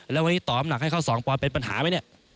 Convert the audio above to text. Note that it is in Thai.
แล้ววันนี้ตอบหนักให้เขา๒ปอนดเป็นปัญหาไหมเนี่ย